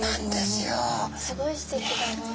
すごいすてきだな。